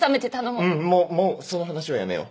うんもうもうその話はやめよう。